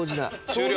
終了？